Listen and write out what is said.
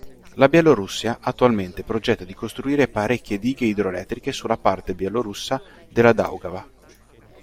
La Bielorussia attualmente progetta di costruire parecchie dighe idroelettriche sulla parte bielorussa della Daugava.